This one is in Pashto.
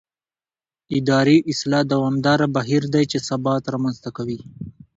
اداري اصلاح دوامداره بهیر دی چې ثبات رامنځته کوي